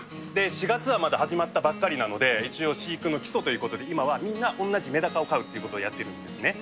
４月はまだ始まったばっかりなので、一応飼育の基礎ということで、今はみんな同じメダカを飼うということをやっているんですよね。